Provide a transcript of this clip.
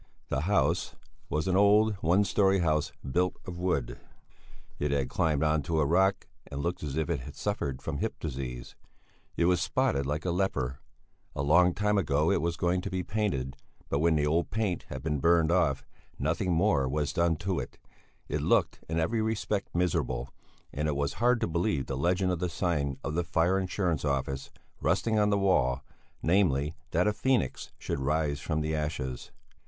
The house was an old, one story house built of wood; it had climbed on to a rock and looked as if it suffered from hip disease. It was spotted like a leper; a long time ago it was going to be painted, but when the old paint had been burned off, nothing more was done to it; it looked in every respect miserable, and it was hard to believe the legend of the sign of the Fire Insurance Office, rusting on the wall, namely, that a phoenix should rise from the ashes.